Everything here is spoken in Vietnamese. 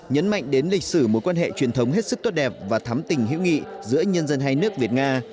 nhấn mạnh đến lịch sử mối quan hệ truyền thống hết sức tốt đẹp và thắm tình hữu nghị giữa nhân dân hai nước việt nga